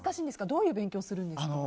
どういう勉強をするんですか？